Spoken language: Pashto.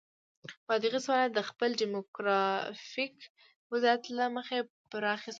بادغیس ولایت د خپل دیموګرافیک وضعیت له مخې پراخې ستونزې لري.